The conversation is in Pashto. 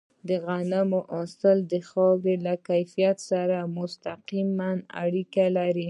د غنمو حاصل د خاورې له کیفیت سره مستقیمه اړیکه لري.